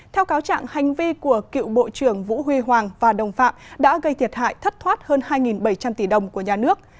theo cáo trạng hành vi của cựu bộ trưởng vũ huy hoàng và đồng phạm đã gây thiệt hại thất thoát hơn hai bảy trăm linh tỷ đồng của nhà nước